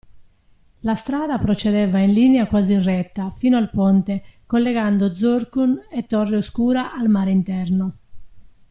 La strada procedeva in linea quasi retta fino al ponte, collegando Zorqun e Torre Oscura al mare interno.